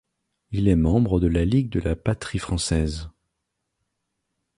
Il est membre de la Ligue de la patrie française.